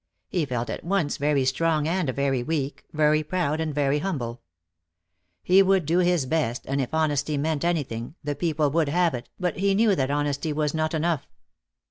He felt at once very strong and very weak, very proud and very humble. He would do his best, and if honesty meant anything, the people would have it, but he knew that honesty was not enough.